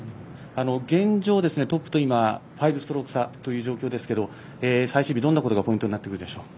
現状、トップと５ストローク差で最終日、どんなことがポイントになってくるでしょう。